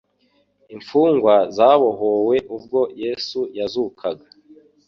imfungwa zabohowe ubwo Yesu yazukaga.